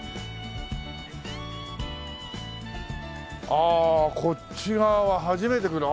ああこっち側は初めて来る。